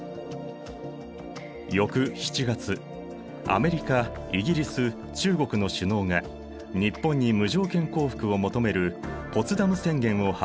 翌７月アメリカイギリス中国の首脳が日本に無条件降伏を求めるポツダム宣言を発表。